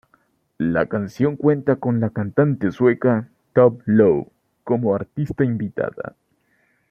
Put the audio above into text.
La canción cuenta con la cantante sueca Tove Lo como artista invitada.